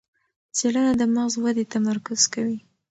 څېړنه د مغز ودې تمرکز کوي.